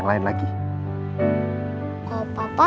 si buruk rupa